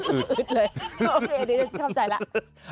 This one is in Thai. อืดเลยโอเคนี่จะเข้าใจแล้ว